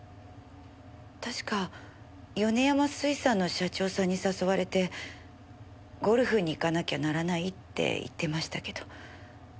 確か米山水産の社長さんに誘われてゴルフに行かなきゃならないって言ってましたけど。